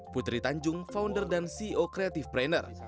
putri tanjung founder dan ceo kreatif brainer